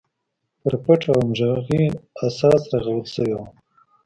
پر پټ او همغږي اساس رغول شوې وه.